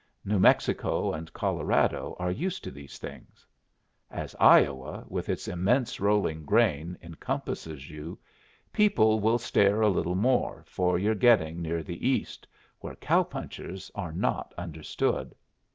New Mexico and Colorado are used to these things. As Iowa, with its immense rolling grain, encompasses you, people will stare a little more, for you're getting near the East, where cow punchers are not understood.